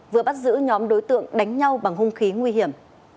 vừa bắt giữ nhóm đối tượng đánh nhau bằng hung khí nguy hiểm